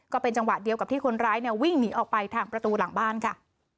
ก็เป็นจังหวะเดียวกับที่คนร้ายเนี่ยวิ่งหนีออกไปทางประตูหลังบ้านค่ะ